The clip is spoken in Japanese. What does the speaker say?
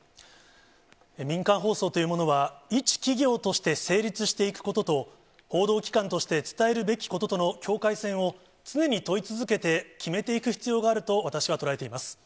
民間放送というものは、一企業として成立していくことと、報道機関として伝えるべきこととの境界線を、常に問い続けて決めていく必要があると私は捉えています。